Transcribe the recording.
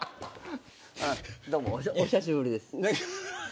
どうもお久しぶりです。